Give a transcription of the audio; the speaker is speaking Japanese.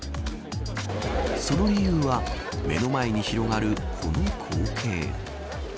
その理由は、目の前に広がるこの光景。